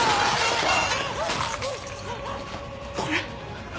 これ。